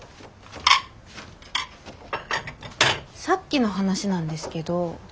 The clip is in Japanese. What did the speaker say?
さっきの話なんですけど。